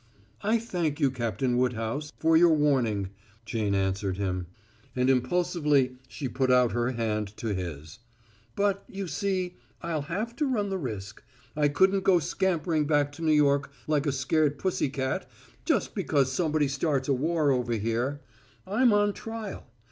"I thank you, Captain Woodhouse, for your warning," Jane answered him, and impulsively she put out her hand to his. "But, you see, I'll have to run the risk. I couldn't go scampering back to New York like a scared pussy cat just because somebody starts a war over here. I'm on trial.